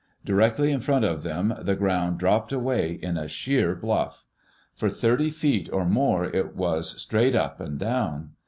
Directly in front of them the ground dropped away in a sheer bluff. For thirty feet or more it was straight up and down.